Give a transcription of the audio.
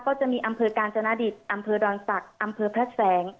ก็จะมีอำเคย์กาญจนาดิตอำเคย์ดอนสักอำเคย์พระแสง